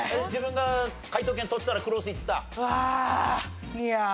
自分が解答権取ってたらクロースいってた？